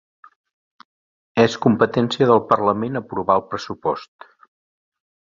És competència del parlament aprovar el pressupost